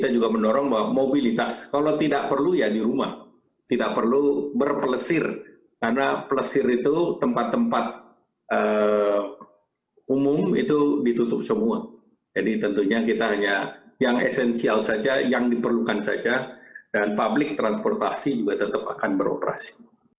jadi tentunya kita hanya yang esensial saja yang diperlukan saja dan publik transportasi juga tetap akan beroperasi